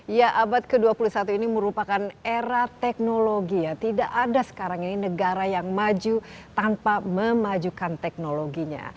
ya abad ke dua puluh satu ini merupakan era teknologi ya tidak ada sekarang ini negara yang maju tanpa memajukan teknologinya